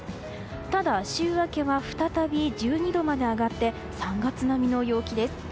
ただ、週明けは再び１２度まで上がって３月並みの陽気です。